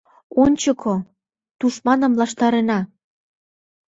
— Ончыко, «тушманым» лаштыртена!